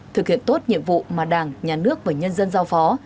thực hiện tốt nhiệm vụ mà đảng nhà nước và nhân dân giao phó